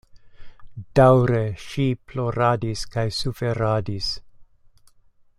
Daŭre ŝi ploradis kaj suferadis.